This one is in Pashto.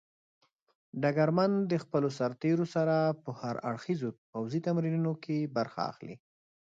ډګرمن د خپلو سرتېرو سره په هر اړخيزو پوځي تمرینونو کې برخه اخلي.